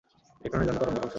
ইলেকট্রনের জন্য তরঙ্গ ফাংশন।